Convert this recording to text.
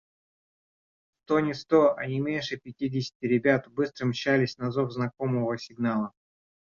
Сто не сто, а не меньше пятидесяти ребят быстро мчались на зов знакомого сигнала.